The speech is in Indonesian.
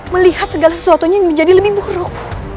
melihat segala sesuatunya menjadi lebih buruk